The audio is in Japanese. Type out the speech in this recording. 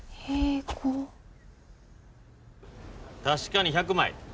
確かに１００枚。